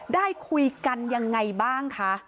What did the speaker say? ได้คุยกันยังไงบ้างคะ